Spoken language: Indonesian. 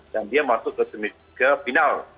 dan dia masuk ke final